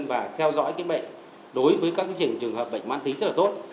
và theo dõi cái bệnh đối với các trường hợp bệnh mát tính rất là tốt